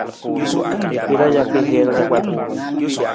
Jaraa jaka hiir ka kpatar.